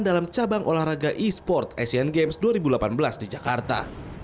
dalam cabang olahraga e sport asian games dua ribu delapan belas di jakarta